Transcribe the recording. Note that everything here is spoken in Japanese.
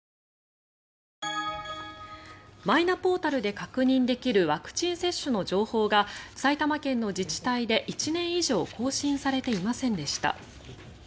マイナポータルで確認できるワクチン接種の情報が埼玉県の自治体で、１年以上更新されていませんでした。